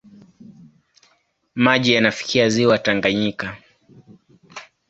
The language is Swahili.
Maji yanafikia ziwa Tanganyika.